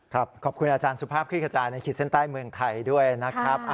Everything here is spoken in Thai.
ขอบคุณอาจารย์สุภาพคลิกขจายในขีดเส้นใต้เมืองไทยด้วยนะครับ